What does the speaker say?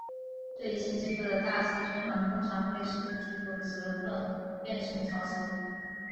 对新技术的大肆宣传通常会使技术词汇变成潮词。